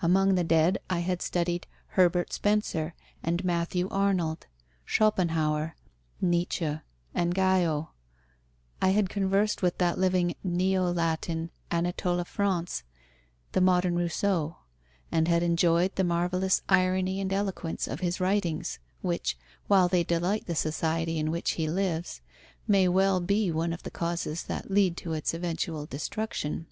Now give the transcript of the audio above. Among the dead, I had studied Herbert Spencer and Matthew Arnold, Schopenhauer, Nietzsche and Guyau: I had conversed with that living Neo Latin, Anatole France, the modern Rousseau, and had enjoyed the marvellous irony and eloquence of his writings, which, while they delight the society in which he lives, may well be one of the causes that lead to its eventual destruction.